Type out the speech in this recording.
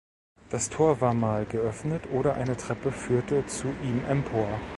Das Tor war mal geöffnet oder eine Treppe führte zu ihm empor.